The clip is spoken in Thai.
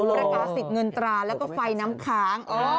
ประกาศิษย์เงินตราแล้วก็ไฟน้ำค้าง